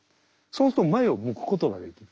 そうすると前を向くことができる。